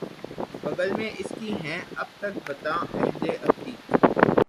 بغل میں اس کی ہیں اب تک بتان عہد عتیق